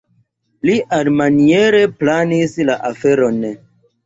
Li alimaniere planis la aferon.